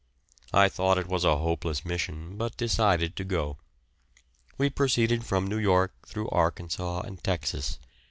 I thought it was a hopeless mission, but decided to go. We proceeded from New York through Arkansas and Texas.